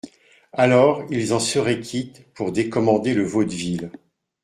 Alors ils en seraient quittes pour décommander le vaudeville.